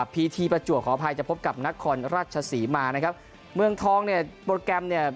พีทีประจวบขออภัยจะพบกับนครราชศรีมานะครับเมืองทองเนี่ยโปรแกรมเนี่ย